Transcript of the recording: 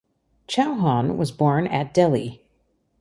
Chauhan was born at Delhi.